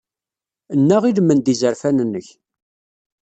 Nnaɣ i lmend n yizerfan-nnek.